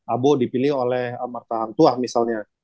abu dipilih oleh marta hangtuah misalnya